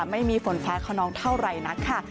ไม่มีฝนฟ้าขนองเท่าไหร่นักค่ะ